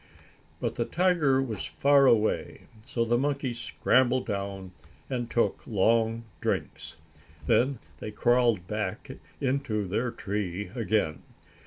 But the tiger was far away, so the monkeys scrambled down and took long drinks. Then they crawled back into their tree again.